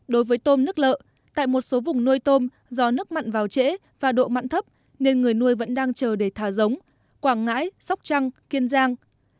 đối với tôm nước lợ tại một số vùng nuôi tôm do nước mặn vào trễ và độ mặn thấp nên người nuôi vẫn đang chờ để thả giống quảng ngãi sóc trăng kiên giang